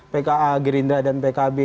pka gerindra dan pkb